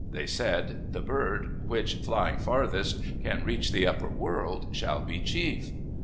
They said, The bird which, flying farthest, can reach the upper world, shall be chief."